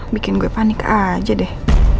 bikin gue panik aja deh